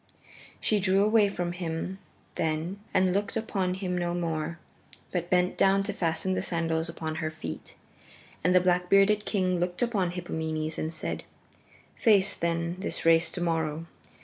She drew away from him then and looked upon him no more, but bent down to fasten the sandals upon her feet. And the black bearded king looked upon Hippomenes and said, "Face, then, this race to morrow.